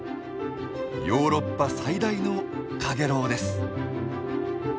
ヨーロッパ最大のカゲロウです。